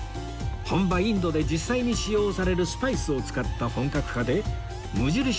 本場インドで実際に使用されるスパイスを使った本格派で無印